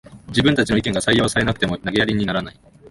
自分たちの意見が採用されなくても投げやりにならない